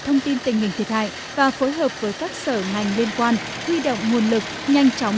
thông tin tình hình thiệt hại và phối hợp với các sở ngành liên quan huy động nguồn lực nhanh chóng